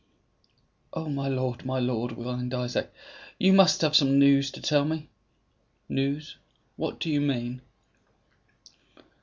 "Oh, my lord, my lord," whined Isaac, "you must have some news to tell me." "News? What do you mean?"